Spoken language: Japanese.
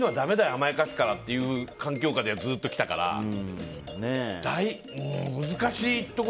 甘やかすのはっていう環境下でずっと来たから、難しいところ。